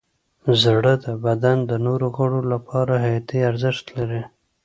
زړه د بدن د نورو غړو لپاره حیاتي ارزښت لري.